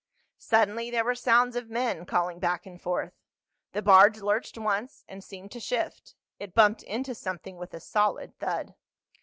Suddenly there were sounds of men calling back and forth. The barge lurched once, and seemed to shift. It bumped into something with a solid thud.